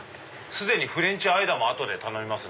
既にフレンチ和玉後で頼みます。